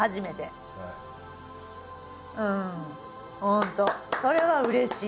本当それはうれしい。